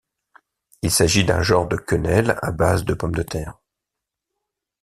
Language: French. Il s'agit d'un genre de quenelles à base de pomme de terre.